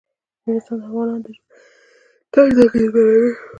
نورستان د افغانانو د ژوند طرز اغېزمنوي.